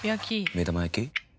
目玉焼き？